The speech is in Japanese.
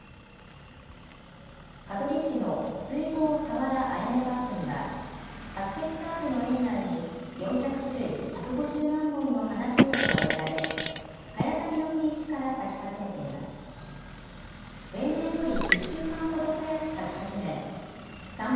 香取市の水郷佐原あやめパークには８ヘクタールの園内に４００種類、１５０万本のハナショウブが植えられ早咲きの品種から咲き始めています。